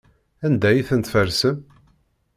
Anda ay tent-tfersem?